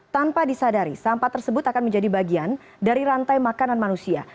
tanpa disadari sampah tersebut akan menjadi bagian dari rantai makanan manusia